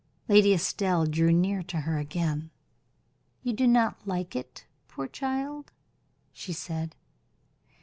Lady Estelle drew near to her again. "You do not like it, poor child?" she said.